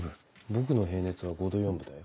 僕の平熱は５度４分だよ。